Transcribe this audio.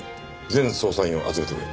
全捜査員を集めてくれ。